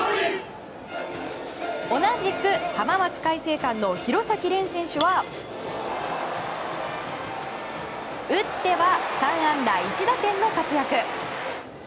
同じく浜松開誠館の廣崎漣選手は打っては３安打１打点の活躍。